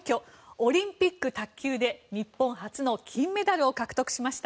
オリンピック卓球で日本初の金メダルを獲得しました。